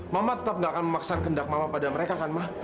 mama tetap gak akan memaksakan kendak mama pada mereka kan mah